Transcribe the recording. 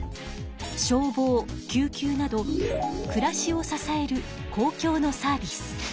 消防救急などくらしを支える公共のサービス。